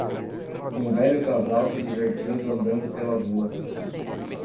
Um velho casal se divertindo andando pelas ruas.